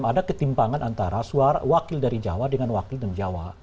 karena ketimpangan antara wakil dari jawa dengan wakil non jawa